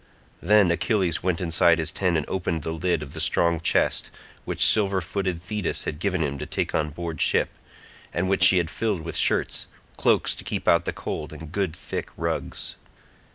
Then Achilles went inside his tent and opened the lid of the strong chest which silver footed Thetis had given him to take on board ship, and which she had filled with shirts, cloaks to keep out the cold, and good thick rugs.